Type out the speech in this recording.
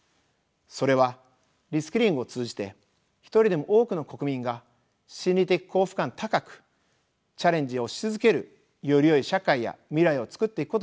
それはリスキリングを通じて一人でも多くの国民が心理的幸福感高くチャレンジをし続けるよりよい社会や未来をつくっていくことです。